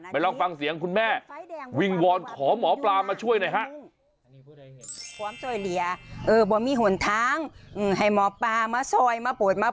ลองฟังเสียงคุณแม่วิงวอนขอหมอปลามาช่วยหน่อยฮะ